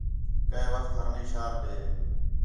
کَئے وخت ہِرنائی شہر ݙے